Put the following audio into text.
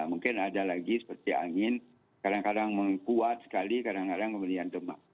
mungkin ada lagi seperti angin kadang kadang mengkuat sekali kadang kadang kemudian demak